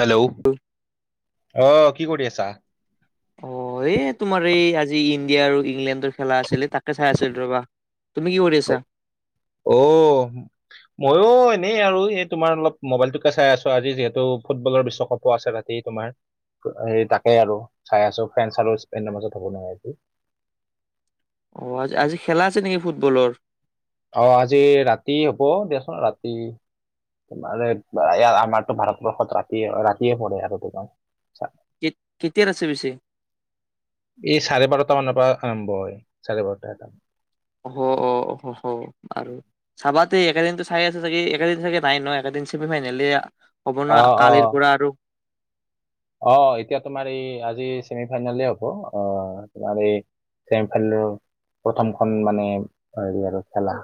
Hello অ', কি কৰি আছা? অ', এই তোমাৰ এই আজি ইণ্ডিয়া আৰু ইংলেণ্ডৰ খেলা আছিলে তাকে চাই আছিল ৰবা। তুমি কি কৰি আছা? অ'। ময়ো এনেই আৰু এই তোমাৰ অলপ মোবাইলটোকে চাই আছো আজি যিহেতু ফুটবলৰ বিশ্বকাপো আছে। তে তোমাৰ হে তাকে আৰু চাই আছো ফ্ৰেণছ আৰু স্পেইনৰ মাজত হ'ব নহয় এটো। অ', আ-আজি খেলা আছে নেকি ফুটবলৰ? অ', আজি ৰাতি হ'ব দেয়চোন ৰাতি- আৰু এয়া আমাৰতো ভাৰতবৰ্ষত ৰাতি ৰাতিয়ে পৰে আৰু তোমাৰ। চা- কেত-কেতিয়াৰ আছে পিছে? এই চাৰে বাৰটা মানৰ পৰা আৰম্ভ হয় চাৰে বাৰটা এটা। অ', অ', হ আৰু- চাবাদে এইকেইদিনতো চাই আছা চাগে একেদিন চাগে নাই ন একটাদিন ছেমি ফাইনেলি এয়া। হ'ব ন অ' কালিৰ অ' পৰা আৰু- অ', এতিয়া তোমাৰ এই আজি ছেমি ফাইনেলে হ'ব আহ তোমাৰ এই- ছেমি ফাইনেলৰ প্ৰথমখন মানে হেৰি আৰু খেলা।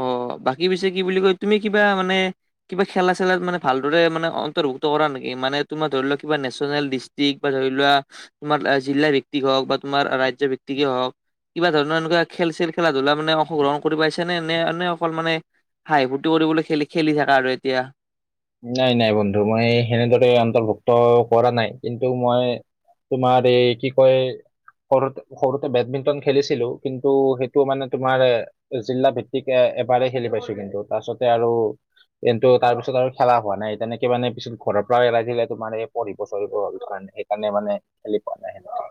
অ', বাকী পিছে কি বুলি কয় তুমি কিবা মানে- কিবা খেলা চেলাত মানে ভালদৰে মানে অন্তৰ্ভুক্ত কৰা নেকি মানে তোমাৰ ধৰি লোৱা কিবা নে চেনেল ডিছ- তিক বা ধৰি লোৱা তোমাৰ জিলা ভিত্তিক হওক বা তোমাৰ ৰাজ্যৰ ভিত্তিকেই হওক। কিবা ধৰণৰ এনেকুৱ খেল-ছেল ধূলা মানে অশগ্ৰহণ কৰি পাইছা- নে মানে এ অকল মানে হাই ফূ্তি কৰিবলৈ খেলি খেলি থাকে আৰু এতিয়া। নাই নাই বন্ধু মই সেনেদৰে অন্তৰ্ভুক্ত কৰা নাই কিন্তু মই- তোমাৰ এই কি কয়- সৰুতে সৰুতে বেডমিণ্টন খেলিছিলো কিন্তু সেইটো মানে তোমাৰ- জিলা ভিত্তিক এ এবাৰেই খেলি পাইছো কিন্তু তাৰপিছতে আৰু কিন্তু তাৰ পিছত আৰু- খেলা হোৱা নাই তেনেক মানে পিছত ঘৰৰ পৰা এৰাই দিলে তোমাৰ এই পঢ়িব চৰহিব কাৰণে সেইকাৰণে মানে- খেলি পোৱা নাই ন।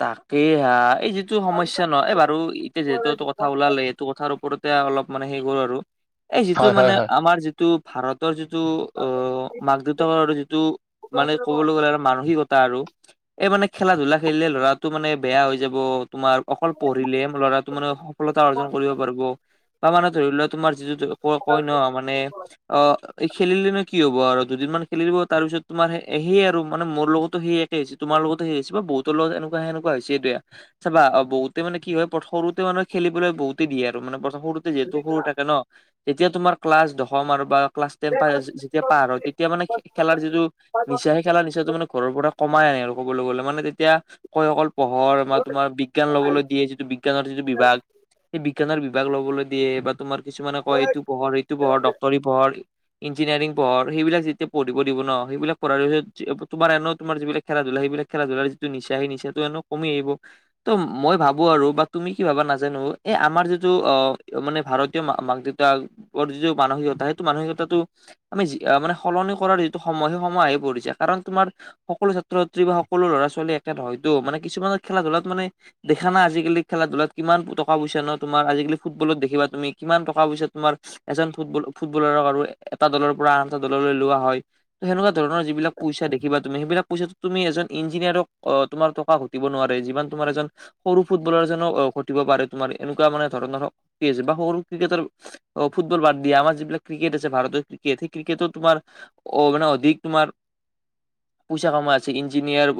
তাকে হা এই যিটো সমস্যা নহ এই বাৰু এতিয়া যিহেতুটো কথা ওলালে- কথাৰ ওপৰতে অলপ মানে সেই কৰো আৰু এই যিটো হয় হয় মানে হয় আমাৰ যিটো- ভাৰতৰ যিটো আহ মাক দেউতাকৰ যিটো- মানে ক'বলৈ গ'লে আৰু মানসিকতা আৰু- এই মানে খেলা ধূলা খেলিলে ল'ৰাটো মানে বেয়া হৈ যাব তোমাৰ- অকল পঢ়িলে ল'ৰাটো মানে সফলতা অৰ্জন কৰিব- ৰিব বা মানে ধৰি লোৱা তোমাৰ যিটো কই কই ন মানে- অ', খেলিলে নে কি হব আৰু দুদিনমান খেলিব তাৰ পিছত তোমাৰ সেই আৰু মানে মোৰ লগতো সেই- ই হৈছে তোমাৰ লগত সেই হৈছে বহুতৰ লগত এনেকুৱা সেনেকুৱা হৈছে দিয়া। চাবা অ', বহুতে মানে কি হয় সৰুতে মানে খেলিবলৈ বহুতেই দে আৰু মানে সৰুতে- সৰু থাকে ন তেতিয়া তোমৰ ক্লাছ দশম আৰু বা ক্লাছ তেন পাৰ হৈছে যেতিয়া- পাৰ হয় তেতিয়া মানে খেলাৰ যিটো- নিচা সেই খেলা নিচাটো মানে ঘৰৰ পৰা কমাই আনে আৰু কবলৈ গ'লে মানে তেতিয়া কয় অকল- পঢ়ৰ বা তোমাৰ বিজ্ঞান ল'বলৈ দিয়ে যিটো বিজ্ঞানৰ যিটো বিভাগ। সেই বিজ্ঞানৰ বিভাগ ল'বলৈ দিয়ে বা তোমাৰ কিছুমানে কয় এইটো পহৰ এইটো পহৰ ডক্টৰি পহৰ। ইঞ্জিনাৰিং পঢ়ৰ সেইবিলাক যেতিয়া পঢ়িব দিব ন সেইবিলাক পঢ়াৰ পিছত তোমাৰ এনে তোমাৰ যিবিলাক খেল ধলা সেইবিলাক- খেলা ধূলাৰ যিটো নিচা সেই নিচাটো এনো কমি আহিব। ত মই ভাবো আৰু বা তুমি কি ভাবা নাজানো এ আমাৰ যিটো অ', মানে ভাৰত- ত মাক দেউতাকৰ যিটো মানসিকতা সেইটো মানসিকতাটো আমি মানে সলনি কৰাৰ যিটো সময় সেই সময় আহি পৰিছে কাৰণ তোমাৰ সকলো ছাত্ৰ ছাত্ৰী বা সকলো ল'ৰা- ছোৱালী একে ন হয়তো মানে কিছুমানত খেলা ধূলাত মানে দেখা না আজিকালি খেলা- ধূলাত কিমান টকা পইচা ন তোমাৰ আজিকালি ফুটবলত দেখিবা তুমি কিমান টকা পইচা তোমাৰ এজন ফুটবল ফুটবলাৰক আৰু এটা দলৰ পৰা আন এটা দললৈ লোৱা হয়। ত সেনেকুৱা ধৰণৰ যিবিলাক পইচা দেখিবা তুমি সেইবিলাক পইচা তুমি এজন ইঞ্জিনিয়াৰ অ তোমাৰ টকা ঘটিব নোৱাৰে যিমান তোমাৰ এজন। সৰু ফুটবলাৰ যেনো ঘটিব পাৰে তোমাৰ এনেকুৱা মানে ধৰণৰ শক্তিজ বা সৰু ক্ৰিকেটৰ অ ফুটবল বাদ দিয়া আমাৰ যিবিলাক ক্ৰিকেট আছে ভাৰতৰ ক্ৰিকেট সেই ক্ৰিকেটো তোমাৰ- অ মানে অধিক তোমাৰ পইচা কামা আছে ইঞ্জিনিয়াৰ-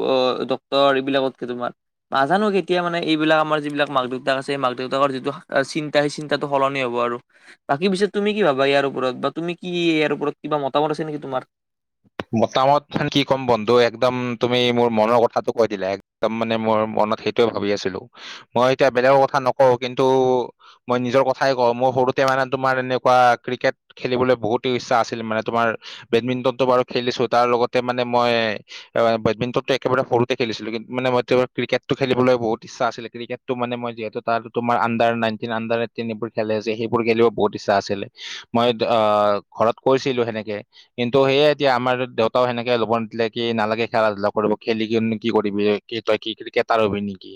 বতৰ এইবিলাকতকে তোমাৰ নাজানো কেতিয়া মানে এইবিলাক আমাৰ যিবিলাক মাক দেউতাক আছে এই মাক দেউতাকৰ যিটো- চিন্তাটো সলনি হ'ব আৰু বাকী পিছেত তুমি কি ভাবা ইয়াৰ ওপৰত বা তুমি কি ইয়াৰ ওপৰত কিবা মতামত আ নেকি তোমাৰ- মতামত কি ক'ম বন্ধু একদম তুমি মোৰ মনৰ কথাটো কৈ দিলে। তাৰ মানে মোৰ মনত সেইটোয়ে ভাবি আছিলো মই এতিয়া বেলেগৰ কথা নকওঁ কিন্তু মই নিজৰ কথাই কওঁ মোৰ সৰু মেৰা তোমাৰ এনেকুৱা ক্ৰিকেট খেলিবলৈ বহুতেই ইচ্ছা আছিল মানে তোমাৰ বেডমিন্টনতটো বাৰু খেলিছো তাৰ লগতে মানে মই- বেডমিটনতটো একবাৰে সৰুতে খেলিছিলো মানেই ক্ৰিকেতটো খেলিবলৈ বহুত ইচ্ছা আছিল ক্ৰিকেট- ত মানে মই যিহেতু তাত তোমাৰ আণ্ডাৰ নাইনটিন আণ্ডাৰ এইটিন এইবোৰ খেলে যে সেইবোৰ খেলিব বহুত ইচ্ছা আছিলে। মই অ ঘৰত কৈছিলো সেনেকে। কিন্তু সেয়ে এতিয়া আমাৰ দেউতাও সেনেকে ল'ব নিদিলে কি নালাগে খেল -ধূলা কৰিব খেলি কো কি কৰিবি। কি তই কি ক্ৰিকেটাৰ হবি নেকি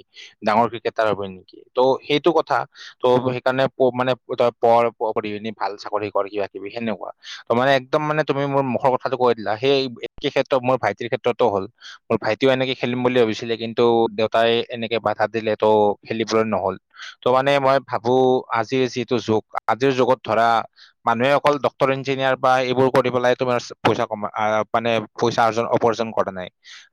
ডাঙৰ ক্ৰিকেটাৰ হবি নেকি ত' সেইটো কথা। ত' সেইকাৰণে মানে তই পঢ় পিছত ভাল চাকৰি কৰ কিবা কিবি সেনেকুৱা ত মানে একদম মানে তুমি মোৰ মুখৰ কথাটো কৈ দিলা সেই একেই ক্ষেত্ৰত মোৰ ভাইটিৰ ক্ষেত্ৰতো হ'ল‌। মোৰ ভাইটিও এনেকে খেলিম বুলি ভাবিছিলে কিন্তু দেউতাই এনেকে বাধা দিলে তো খেলিবলৈ নহল। ত মানে মই ভাবো আজিৰ যিটো যুগ আজিৰ যুগত ধৰা। মানুহে অকল ড্ক্তৰ ইঞ্জিনিয়াৰ বা কৰি পেলাই তুমাৰ পইচা কমা মানে পইচা অৰ্ অপাৰ্জন কৰা নাই।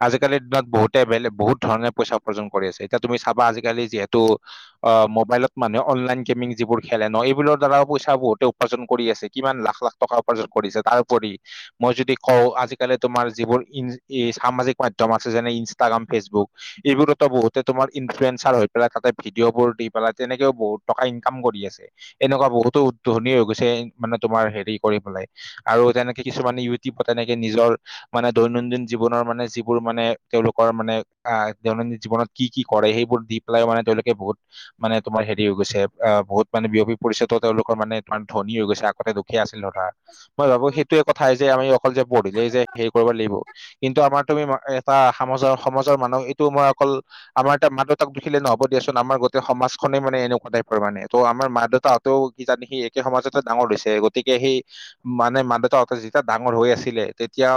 আজিকালিৰ দিনত বহুতে বেলেগ বহুত ধৰণে পইচা উপাৰ্জন কৰি আছে এতিয়া তুমি চাবা আজিকালি যিহেতু অ মোবাইলত মানুহে অনলাইন গেমিং যিবোৰ খেলে ন এইবোৰৰ দ্বাৰাও পইচা বহুতে উপাৰ্জন কৰি আছে কিমান লাখ লাখ। টকা উপাৰ্জন কৰিছে তাৰোপৰি। মই যদি কওঁ আজিকালি তোমাৰ যিবোৰ ই সামাজিক মাধ্যম আছে যেনে ইনষ্টাগ্ৰাম ফেচবুক এইবোৰতো বহুতে তোমাৰ ইনফ্লুৱেঞ্চাৰ হৈ পেলাই তাতে ভিডিঅ' বোৰ দি পেলাই তেনেকেও বহুত টকা ইনকাম কৰি আছে। এনেকুৱা বহুতো ধনী হৈ গৈছে মানে তোমাৰ হেৰি কৰি পেলাই। আৰু তেনেকে কিছুমানে ইউটিউবত তেনেকে নিজৰ- মানে দৈনন্দিন জীৱনৰ মানে যিবোৰ মানে তেওঁলোকৰ মানে আহ দৈনন্দিন জীৱনত। কি কি কৰে সেইবোৰ দি পেলাই মানে তেওঁলোকে বহুত মানে তোমাৰ হেৰি হৈ গৈছে অ বহুত মানে বিয়পি পৰিছে তো তেওঁলোকৰ মানে তোমাৰ ধনী হৈ গৈছে আগতে দুখীয়া আছিল। ধৰা মই ভাবো সেইটোৱে কথাই যে আমি অকল যে পঢ়িলেই যে হেৰি কৰিব লাগিব। কিন্তু আমাৰ তুমি এটা সমাজৰ সমাজৰ মানুহ এইটো মই অকল আমাৰ ত মা দেউতাক দেখিলে নহব দিয়া চোন আমাৰ গোটেই সমাজখনেই মানে এনেকুৱা াইৰ মানে ত' আমাৰ ম দেউতাক- তটো কি জানি সি একে সমাজতে ডাঙৰ হৈছে গতিকে সি- মানে মা দেউতাহতে যেতিয়া ডাঙৰ হৈ আছিলে তেতিয়া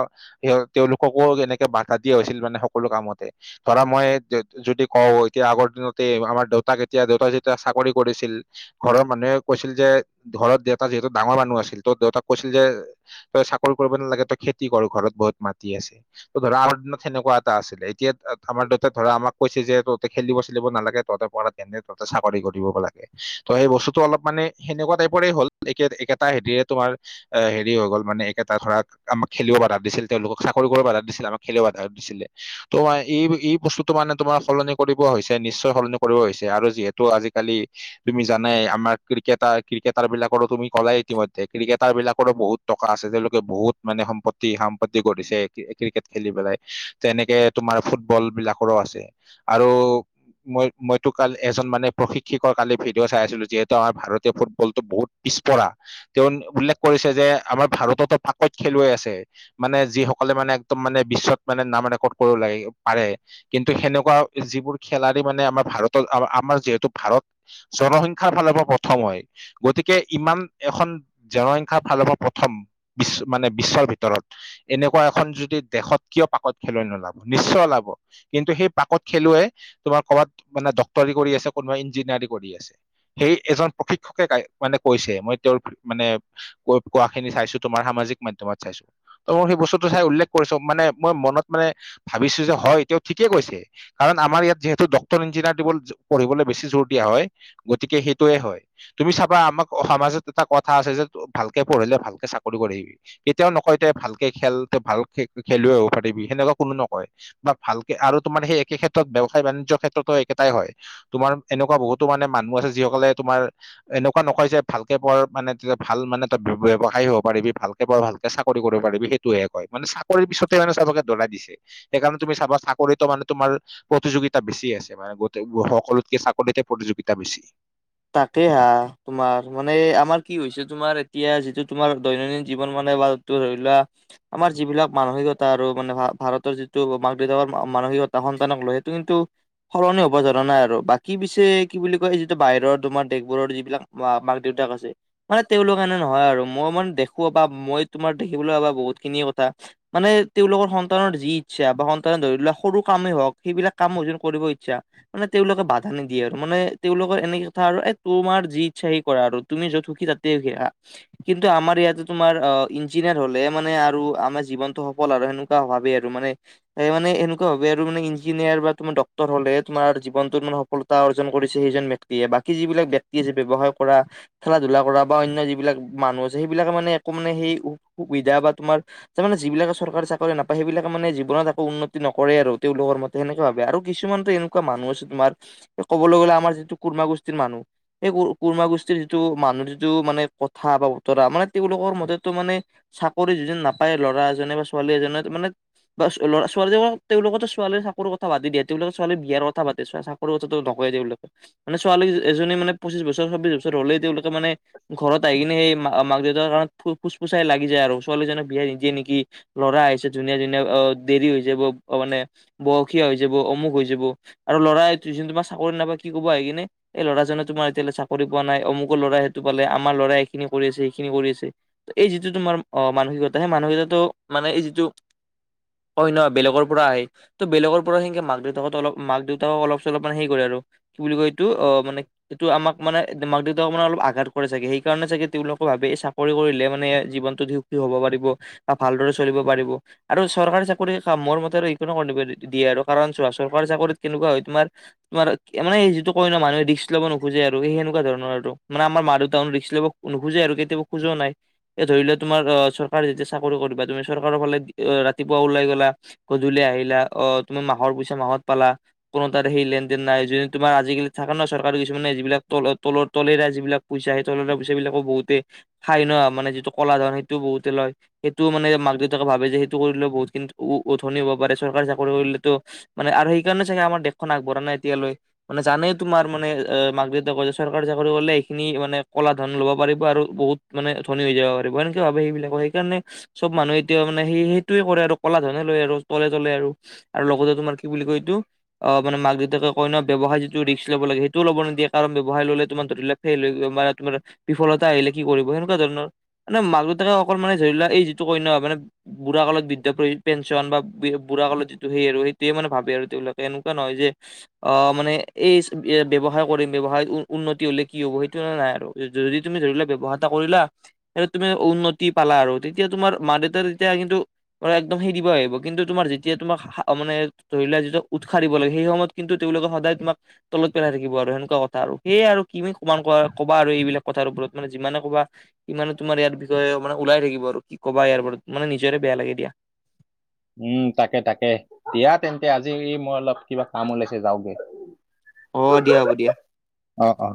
স তেওঁলোককো এনেকে বাধা দিয়া হৈছিল মানে সকলো কামতে। ধৰা মই যদি কওঁ এতিয়া আগৰ দিনতে আমাৰ দেউতাক এতিয়া দেউতাই যেতিয়া চাকৰি কৰিছিল। ঘৰৰ মানুহে কৈছিল যে ঘৰত দেউতা যিহেতু ডাঙৰ মানুহ আছিল ত দেউতাক কৈছিল যে তই চাকৰি কৰিব নালাগে তই খেতি কৰ ঘৰত বহুত মাটি আছে। ত ধৰা আমাৰ দিনত সেনেকুৱা এটা আছিলে এতিয়া আমাৰ দেউতাই ধৰা আমাক কৈছে যে তহতে খেলিব চেলিব নালাগে তহতে পঢ়াত কেনে তহতে চাকৰি কৰিব লাগে। ত সেই বস্তুতটো অলপ মানে সেনেকুৱা টাইপৰে হ'ল একে একেটা হেৰিয়েত তোমাৰ এ হেৰি হৈ গ'ল মানে একেটা ধৰাক আমাক খেলিব বাধা দিছিল তেওঁলোকক চাকৰি কৰিব বাধা দিছিল আমাক খেলিব বাধা দিছিলে। ত বাই এই এই বস্তুটো মানে তোমাৰ সলনি কৰিব হৈছে নিশ্চয় সলনি কৰিব হৈছে আৰু যিহেতু আজিকালি তুমি জানাই আমাৰ ক্ৰিকেটাৰ ক্ৰিকেটাৰ বিলাকৰো তুমি কলোই ইতিমধ্য- তে ক্ৰিকেটাৰ বিলাকৰো বহুত টকা আছে তেওঁলোকে বহুত মানে সম্পত্তি সাম্পত্তি কৰিছে। ক্ৰিকেট খেলি পেলাই তেনেকে তোমাৰ ফুটবল বিলাকৰো আছে আৰু মই মইতো কাল এজন মানে প্ৰশিক্ষকৰ কালি ভিডিঅ' চাই আছিলো যিহেতু আমাৰ ভাৰতীয় ফুটবলতটো বহুত পিছপৰা। তেওঁ উল্লেখ কৰিছে যে আমাৰ ভাৰততো পাকত খেলুৱৈ আছে। মানে যিসকলে মানে একদম মানে বিশ্বত মানে নাম ৰেকৰ্ড কৰি ওলাই পাৰে। কিন্তু সেনেকুৱা যিবোৰ খেলাৰি মানে আমাৰ ভাৰতৰ আমাৰ যিহেতু ভাৰত জনসংখ্যা ফালৰ পৰা হব প্ৰথম হয়। গতিকে ইমান এখন জনসংখ্যা ফালৰ পৰা প্ৰথম বিশ্ব মানে বিশ্বৰ ভিতৰত। এনেকুৱা এখন যদি দেশত কিয় পাকত খেলুৱৈ নোলাব নিশ্চয় ওলাব। কিন্তু সেই পাকত খেলুৱৈৱে তোমাৰ ক'ৰবাত মানে ডক্টৰী কৰি আছে কোনোবা ইঞ্জিনিয়াৰিং কৰি আছে। সেই এজন প্ৰশিক্ষকে খাই মানে কৈছে মই তেওঁৰ মানে ক কোৱা খিনি চাইছো তোমাৰ সামাজিক মাধ্যমত চাইছো। ত সেই বস্তুটো চাই উল্লেখ কৰিছো মানে মই মনত মানে ভাবিছো যে হয় তেওঁ ঠিকেই কৈছে। কাৰণ আমাৰ ইয়াত যিহেতু ডক্তৰ ইঞ্জিনিয়াৰ দিব পঢ়িবলৈ বেছি জোৰ দিয়া হয়, গতিকে সেইটোয়ে হয়। তুমি চাবা আমাক সমাজত এটা কথা আছে যে ভালকে পঢ়িলে ভালকে চাকৰি কৰিবি। কেতিয়াও নকয় তই ভালকে খেল ত ভাল খে খেলুৱৈ হব পাৰিবি সেনেকুৱা কোনো নকয়। বা ভালকে আৰু তোমাৰ সেই একে ক্ষেত্ৰত ব্যৱসায় বাণিজ্যৰ ক্ষেত্ৰতো একেটাই হয়। তোমাৰ এনেকুৱা বহুতো মানে মানুহ আছে, যিসকলে তোমাৰ এনেকুৱা নকয় যে ভালকে পঢ় মানে তেতিয়া ভাল মানে ত ব্যৱসায় হ'ব পাৰিবি ভালকে পঢ় ভালকে চাকৰি কৰিব পাৰি সেইটোহে কয় মানে চাক- কৰি পিছতে মানে চাবকে ধৰাই দিছে সেইকাৰণে তুমি চাবা চাকৰিতো মানে তোমাৰ প্ৰতিযোগিতা বেছি আছে। মানে গোট সকলোতকে চাকৰিতে প্ৰতিযোগিতা বেছি। তাকে হা তোমাৰ মানে আমাৰ কি হৈছে তোমাৰ এতিয়া যিটো তোমাৰ দৈনন্দিন জীৱন মানে বা তো ধৰি লোৱা আমাৰ যিবিলাক মানসিকতা আৰু মানে ভাৰতৰ যিটো মাক দেউতাকৰ মানসিকতা সন্তানক লৈ সেইটো কিন্তু সলনি হ'ব ধৰা নাই আৰু বাকী পিছে কি বুলি কয় যিটো বাহিৰত তোমাৰ দেশবোৰৰ যিবিলাক মাক দেউতাক আছে। মানে তেওঁলোক এনে নহয় আৰু মই মানে দেখো বা মই তোমাৰ দেখিবলৈ পাবা বহুতখিনি কথা। মানে তেওঁলোকৰ সন্তানৰ যি ইচ্ছা বা সন্তানৰ ধৰি লোৱা সৰু কামেই হওক সেইবিলাক কামো অযোন কৰিব ইচ্ছা। মানে তেওঁলোকে বাধা নিদিয়ে আৰু মানে তেওঁলোকৰ এনেকে কথা আৰু এ তোমাৰ যি ইচ্ছা সি কৰা আৰু তুমি য'ত সুখী তাতে সখি আহা কিন্তু আমাৰ ইয়াতে তোমাৰ অ ইঞ্জিনিয়াৰ হ'লে মানে আৰু আমাৰ জীৱনটো সফল আৰু সেনে- তা ভাৱে আৰু মানে। সে মানে এনেকুৱা ভাবে আৰু মানে ইঞ্জিনিয়াৰ বা তোমাৰ ডক্টৰ হলে তমাৰ জীৱনটো মান সফ- ফলতা অৰ্জন কৰিছে সেইজন ব্যক্তিয়ে বাকী যিবিলাক ব্যক্তি আছে যে ব্যৱসায় কৰা খেলা-ধূলা কৰা বা অন্য যিবিলাক মানুহ আছে সেইবিলাকে মানে একো মানে সেই সুবিধা বা তোমাৰ [unintelligible] তাৰ মানে যিবিলাক চৰকাৰী চাকৰি নাপায় সেইবিলাক মানে জীৱনত একো উন্নতি নকৰে আৰু তেওঁলোকৰ মতে [unintelligible] তেনেকে ভাৱে আৰু কিছুমানতো এনেকুৱা মানুহ আছে তোমাৰ ক'বলৈ গ'লে আমাৰ যিটো কুৰ্মা গোষ্ঠীৰ মানুহ [inaudible] এই কুৰ্মা গোষ্ঠীৰ যিটো মানুহৰ যিটো মানে কথা বা উতৰা মানে তেওঁলোকৰ মতেতো মানে [unintelligible] চাকৰি যিজন নাপায় ল'ৰা এজনে বা ছোৱালী এজনে মানে [inaudible] বা ল'ৰা-ছোৱালীক তেওঁলোকেতো ছোৱালী চাকৰিৰ কথাটো বাদেই দিয়ে তেওঁলোকে ছোৱালীৰ বিয়াৰ কথা পাতে। [unintelligible] সৰু কথা নকয় তেওঁলোকে, মানে ছোৱালী এজনী মানে পঞ্চিছ বছৰ, ছব্বিশ বছৰ হলেই তেওঁলোকে মানে [unintelligible] ঘৰত আহি কিনে সেই মাক-দেউতাৰ কাণত ফোচ-পোচাই লাগি যায় আৰু ছোৱালীজনীক বিয়া নিদিয়ে নেকি? [inaudible] ল'ৰা আহিছে ধুনীয়া-ধুনীয়া অ দেৰি হৈ যাব অ মানে [inaudible] বয়সীয়া হৈ যাব, অমুক হৈ যাব, আৰু ল'ৰাই ত তোমাৰ চাকৰি নাপায় কি ক'ব আহ কিনে [inaudible] এই ল'ৰাজনে তোমাৰ এতিয়ালৈ চাকৰি পোৱা নাই। অমুকৰ লৰা সেইটো পালে, আমাৰ ল'ৰা এইখিনি কৰি আছে, এইখিনি কৰি আছে। [unintelligible] এই যিটো তোমাৰ অ মানসিকতা সেই মানসিকতাটো মানে এই যিটো [unintelligible] [unintelligible] হয় নহয় বেলেগৰ পৰা আহে। ত' বেলেগৰ পৰা সেনেকে মাক-দেউতাক অলপ মাক-দেউতাকক অলপ-চলপ মানে হেৰি কৰে আৰু কি বুলি কয় এইটো অ মানে [unintelligible] সেইটো আমাক মানে মাক দেউতাকও মানে সেইটো আমাক মানে [unintelligible] মাক-দেউতাকক মানে অলপ আঘাত কৰে চাগে, সেইকাৰণে চাগে তেওঁলোকে ভাবে এই চাকৰি কৰিলে মানে জীৱনটো [unintelligible] [unintelligible] হ'ব পাৰিব বা ভালদৰে চলিব পাৰিব। আৰু চৰকাৰী চাকৰি কাম মোৰ মতে আৰু একো দিয়ে আৰু কাৰণ চোৱা চৰকাৰী চাকৰিত কেনেকুৱা হয় তোমাৰ [inaudible] তোমাৰ মানে এই যিটো [unintelligible] কয় ন মানুহে ৰিক্স ল'ব নোখোজে আৰু সেনেকুৱা ধৰণৰ আৰু মানে আমাৰ মা-দেউতায়ো ৰিক্স লব নোখোজে আৰু কেতিয়াও খোজা নাই। [unintelligible] এই ধৰি লোৱা তোমাৰ অ চৰকাৰে যেতিয়া চাকৰি কৰিবা তুমি চৰকাৰৰ ফালে ৰাতিপুৱা ওলাই গলা [inaudible] গধূলি আহিলা, অ তুমি মাহৰ পইচা মাহত পালা [unintelligible] কোনো তাৰে সেই লেনদেন নাই যদি তোমাৰ আজিকালি থাকে ন চৰকাৰী কিছুমানে যিবিলাক তল [unintelligible] তলৰ তলেৰীয়া যিবিলাক পইচা সেই তলেৰীয়া পইচাবিলাকো বহুতেই খাই ন মানে যিটো কলা ধন সেইটোও বহুতে লয়। [unintelligible] সেইটো মানে মাক-দেউতাকে ভাৱে যে সেইটো কৰিলেও বহুতখিনি উ [unintelligible] ধনি হব পাৰে চৰকাৰী চাকৰি কৰিলেতো মানে আৰু সেইকাৰণে চাগে আমাৰ দেশখন আগবঢ়া নাই এতিয়ালৈ, মানে জানেই তোমাৰ মানে মাক-দেউতাক কয় যে চৰকাৰী চাকৰি কৰিলে এইখিনি মানে কলা ধন ল'ব পাৰিব আৰু বহুত [inaudible] মানে ধনি হৈ যাব পাৰিব এনেকে ভাৱে সেইবিলাকৰ সেইকাৰণে [inaudible] চব মানুহে এতিয়া মানে সেই-সেইটোৱেই কৰে আৰু কলা ধনে লয় আৰু তলে-তলে আৰু [unintelligible] আৰু লগতে তোমাৰ কি বুলি কয় এইটো অ মানে মাক-দেউতাকে কয় ন ব্যৱসায় যিটো ৰিক্স [unintelligible] ল'ব লাগে সেইটোও লব নিদিয়ে কাৰণ ব্যৱসায় ল'লে তোমাৰ ধৰি লাক ফেইল হৈ গ'ল মানে তোমাৰ [unintelligible] বিফলতা আহিলে কি কৰিব সেনেকুৱা ধৰণৰ মানে মাক-দেউতাকে অকল মানে ধৰি লোৱা এই যিটো কয় ন‌ মানে [inaudible] বুঢ়া কালত বৃদ্ধ পেঞ্চন বা বুঢ়া কালত যিটো সেই আৰু সেইটোৱেই মানে ভাবে আৰু তেওঁলোকে এনেকুৱা নহয় যে [inaudible] অ মানে এই [inaudible] [inaudible] ব্যৱসায় কৰিম, ব্যৱসায়ত উন্নতি হলে কি হ'ব সেইটো এ নাই আৰু যদি তুমি ধৰি লোৱা ব্যৱসায় এটা কৰিলা [unintelligible] সেইটোত তুমি উন্নতি পালা আৰু তেতিয়া তোমাৰ মা-দেউতা তেতিয়া কিন্তু একদম সেই দিব আহিব কিন্তু তোমাৰ যেতিয়া তোমাক মানে ধৰি লোৱা যেতিয়া উৎসাহ দিব লাগে সেই সময়ত [unintelligible] কিন্তু তেওঁলোকে সদায় তোমাক তলত পেলাই থাকিব আৰু সেনেকুৱা কথা আৰু সেইয়াই আৰু কি কিমান [unintelligible] কবা আৰু এইবিলাক কথাৰ ওপৰত মানে যিমানে কবা কিমানে তোমাৰ ইয়াৰ বিষয়ে মানে ওলাই থাকিব আৰু কি কবা ইয়াৰ ওপৰত মানে নিজৰে বেয়া লাগে দিয়া। [unintelligible] উম তাকে-তাকে দিয়া তেন্তে আজি মই অলপ কিবা কাম ওলাইছে যাওগে। [unintelligible] অ দিয়া, হ'ব দিয়া। [inaudible] অ-অ।